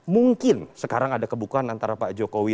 mungkin sekarang ada kebukaan antara pak jokowi